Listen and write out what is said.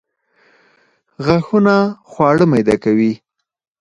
غاښونه خواړه میده کوي